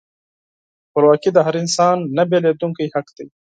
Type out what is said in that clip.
خپلواکي د هر انسان نهبیلېدونکی حق دی.